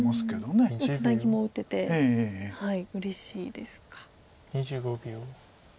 もうツナギも打ててうれしいですか。